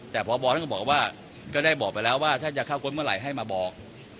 แต่พบท่านก็บอกว่าก็ได้บอกไปแล้วว่าถ้าจะเข้าก้นเมื่อไหร่ให้มาบอก